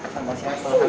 sampai siapa kan